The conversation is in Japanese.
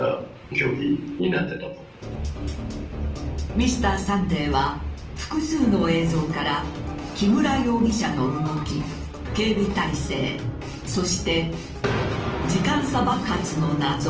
「Ｍｒ．サンデー」は複数の映像から木村容疑者の動き、警備態勢そして時間差爆発の謎。